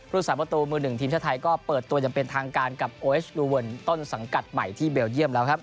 สาประตูมือหนึ่งทีมชาติไทยก็เปิดตัวอย่างเป็นทางการกับโอเอสลูเวิร์นต้นสังกัดใหม่ที่เบลเยี่ยมแล้วครับ